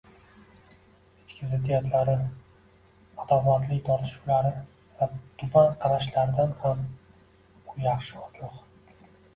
ichki ziddiyatlari, adovatli tortishuvlari va tuban qarashlaridan ham u yaxshi ogoh.